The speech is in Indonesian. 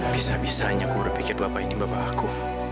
bisa bisa hanya aku berpikir bapak ini bapak aku